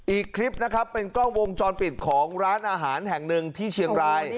อีกคลิปนะครับเป็นกล้องวงจรปิดของร้านอาหารแห่งหนึ่งที่เชียงราย